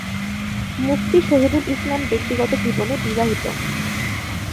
মুফতি শহীদুল ইসলাম ব্যক্তিগত জীবনে বিবাহিত।